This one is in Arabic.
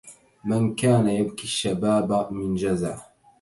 من كان يبكي الشباب من جزع